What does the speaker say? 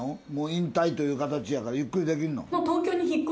引退という形やからゆっくりできるの？